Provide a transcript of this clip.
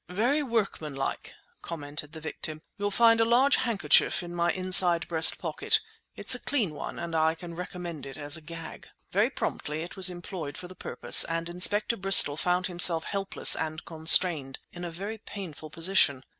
"Very workmanlike!" commented the victim. "You'll find a large handkerchief in my inside breast pocket. It's a clean one, and I can recommend it as a gag!" Very promptly it was employed for the purpose, and Inspector Bristol found himself helpless and constrained in a very painful position.